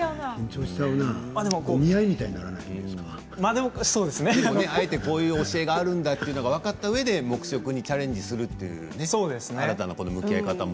お見合いみたいにあえて、こういう教えがあるんだと分かったうえで黙食にチャレンジする新たな向き合い方も。